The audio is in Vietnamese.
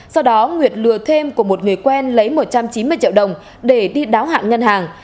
sau đó nguyệt lừa thêm của một người quen lấy một trăm chín mươi triệu đồng để đi đáo hạn ngân hàng